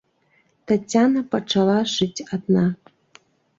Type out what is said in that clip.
Таццяна пачала жыць адна.